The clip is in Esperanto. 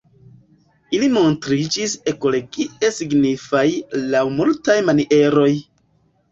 Ili montriĝis ekologie signifaj laŭ multaj manieroj.